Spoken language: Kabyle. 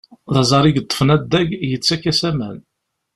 D aẓar i yeṭṭfen addag, yettak-as aman.